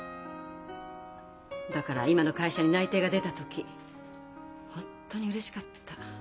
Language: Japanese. だから今の会社に内定が出た時本当にうれしかった。